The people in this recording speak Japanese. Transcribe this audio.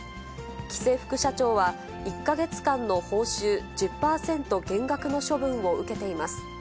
喜せ副社長は、１か月間の報酬１０％減額の処分を受けています。